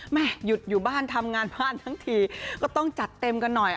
หยุดอยู่บ้านทำงานบ้านทั้งทีก็ต้องจัดเต็มกันหน่อย